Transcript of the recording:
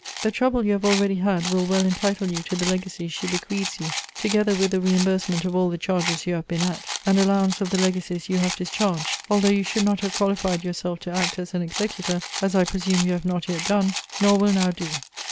The trouble you have already had will well entitle you to the legacy she bequeaths you, together with the re imbursement of all the charges you have been at, and allowance of the legacies you have discharged, although you should not have qualified yourself to act as an executor, as I presume you have not yet done, nor will now do.